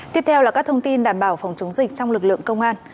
tiếp theo là các thông tin đảm bảo phòng chống dịch trong lực lượng công an